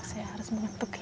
saya harus mengetuk ya